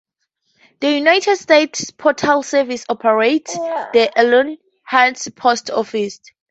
The United States Postal Service operates the Allenhurst Post Office.